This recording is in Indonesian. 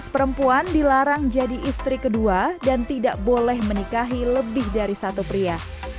tujuh belas perempuan dilarang jadi istri kedua dan tidak boleh menikahi lebih dari satu pria